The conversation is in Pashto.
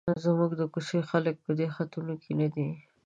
زموږ د کوڅې خلک په دې خطونو کې نه دي.